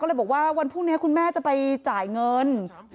ก็เลยบอกว่าวันพรุ่งนี้คุณแม่จะไปจ่ายเงิน